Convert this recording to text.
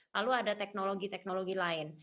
lalu ada teknologi teknologi lain